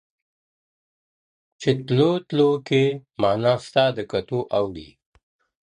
• چي تلو تلو کي معنا ستا د کتو اوړي,